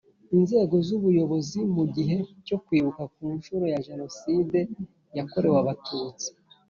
inzego z ubuyobozi mu gihe cyo Kwibuka ku nshuro ya Jenoside yakorewe Abatutsi